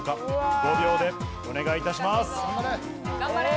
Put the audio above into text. ５秒でお願いいたします。